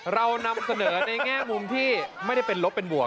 เรานำเสนอในแง่มุมที่ไม่ได้เป็นลบเป็นบวก